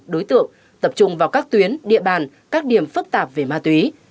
đối tượng tập trung vào các tuyến địa bàn các điểm phức tạp về ma túy